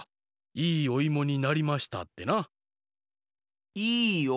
「いいおいもになりました」？